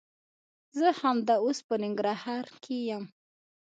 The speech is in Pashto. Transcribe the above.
زه همدا اوس په ننګرهار کښي يم.